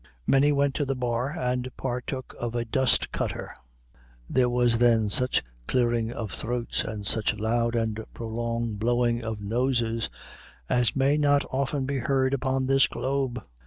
Many went to the bar and partook of a "dust cutter." There was then such clearing of throats, and such loud and prolonged blowing of noses as may not often be heard upon this globe.